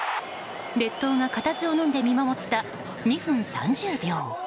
列島が固唾をのんで見守った２分３０秒。